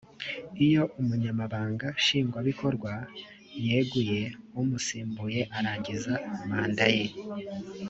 iyo umunamaganaba nshingwabikorwa yeguye umusimbuye arangiza manda ye.